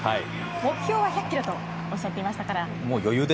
目標は１００キロとおっしゃってましたから。